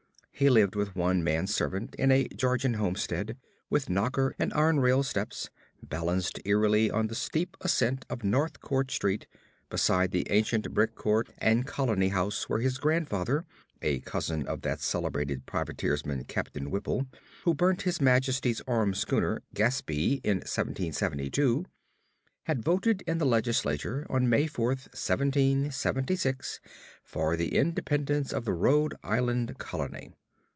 He lived with one man servant in a Georgian homestead with knocker and iron railed steps, balanced eerily on the steep ascent of North Court Street beside the ancient brick court and colony house where his grandfather a cousin of that celebrated privateersman, Captain Whipple, who burnt His Majesty's armed schooner Gaspee in 1772 had voted in the legislature on May 4, 1776, for the independence of the Rhode Island Colony.